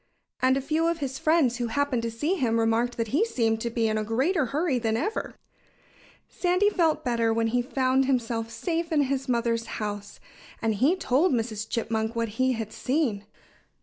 And a few of his friends who happened to see him remarked that he seemed to be in a greater hurry than ever. Sandy felt better when he found himself safe in his mother's house. And he told Mrs. Chipmunk what he had seen.